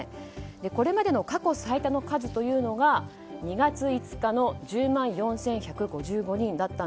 これまでの過去最多の数は２月５日の１０万４１５５人。